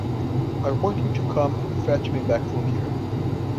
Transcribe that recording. I want you to come and fetch me back from here.